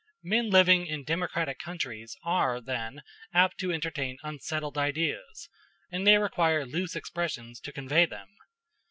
Men living in democratic countries are, then, apt to entertain unsettled ideas, and they require loose expressions to convey them.